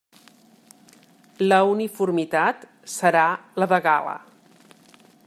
La uniformitat serà la de gala.